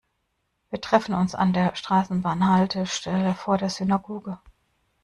Wir treffen uns an der Straßenbahnhaltestelle vor der Synagoge.